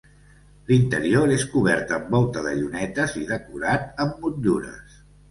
L'interior és cobert amb volta de llunetes i decorat amb motllures.